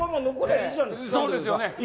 そうですよね。